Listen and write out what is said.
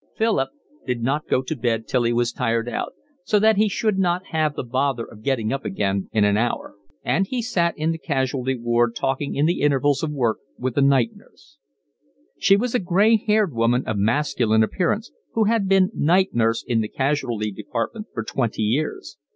Philip did not go to bed till he was tired out, so that he should not have the bother of getting up again in an hour; and he sat in the casualty ward talking in the intervals of work with the night nurse. She was a gray haired woman of masculine appearance, who had been night nurse in the casualty department for twenty years.